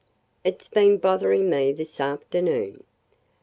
It 's been bothering me this afternoon."